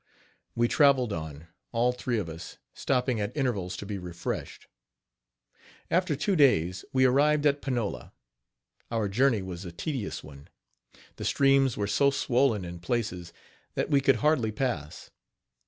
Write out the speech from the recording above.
" We traveled on, all three of us, stopping at intervals to be refreshed. After two days, we arrived at Panola. Our journey was a tedious one. The streams were so swollen in places that we could hardly pass.